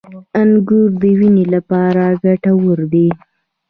• انګور د وینې لپاره ګټور دي.